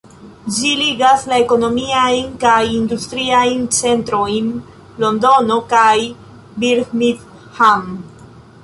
Ĝi ligas la ekonomiajn kaj industriajn centrojn Londono kaj Birmingham.